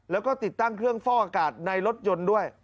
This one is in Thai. แล้วก็ติดตั้งเครื่องฟ่ออากาศในรถยนต์ด้วย